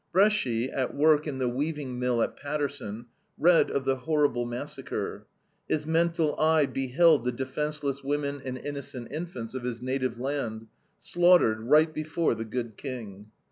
Bresci, at work in the weaving mill at Paterson, read of the horrible massacre. His mental eye beheld the defenceless women and innocent infants of his native land, slaughtered right before the good King.